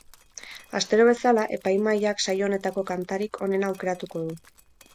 Astero bezala, epaimahaiak saio honetako kantarik onena aukeratuko du.